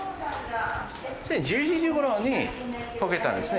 １１時ごろにこけたんですね。